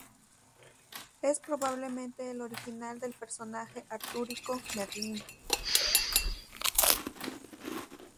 Es probablemente el original del personaje artúrico, Merlin.